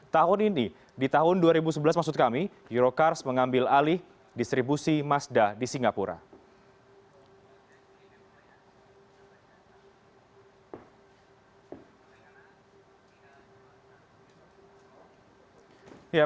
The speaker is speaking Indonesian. tahun ini di tahun dua ribu sebelas maksud kami eurocars mengambil alih distribusi mazda di singapura